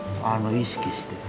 意識して。